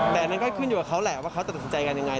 แต่อันนั้นก็ขึ้นอยู่กับเขาแหละว่าเขาจะตัดสินใจกันยังไง